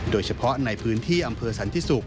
โดยเฉพาะในพื้นที่อำเภอสันติศุกร์